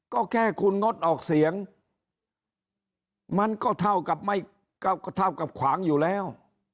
ก็แค่คุณงดออกเสียงมันก็เท่ากับไม่เท่ากับขวางอยู่แล้ว